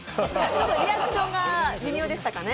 ちょっとリアクションが微妙でしたよね。